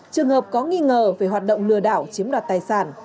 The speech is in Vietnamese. trường hợp có nghi ngờ về hoạt động lừa đảo chiếm đoạt tài sản